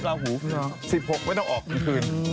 ลาหู๑๖ไม่ต้องออกกลางคืน